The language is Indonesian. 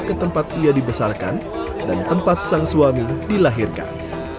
ke tempat ia dibesarkan dan tempat sang suami dilahirkan